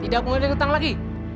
tidak tidak boleh ngutang lagi